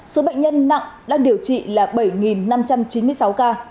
số bệnh nhân nặng đang điều trị là bảy năm trăm chín mươi sáu ca